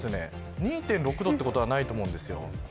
２．６度ということはないと思うんです。